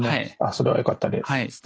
それはよかったです。